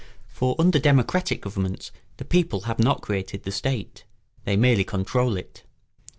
For under democratic governments the people have not created the state; they merely control it.